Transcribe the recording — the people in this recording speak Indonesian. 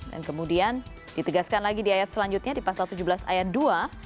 dan kemudian ditegaskan lagi di ayat selanjutnya di pasal tujuh belas ayat dua